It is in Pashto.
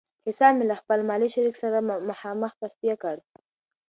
حساب مې له خپل مالي شریک سره مخامخ تصفیه کړ.